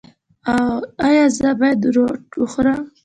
ایا زه باید روټ وخورم؟